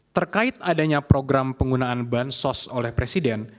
terkait adanya program penggunaan bansos oleh presiden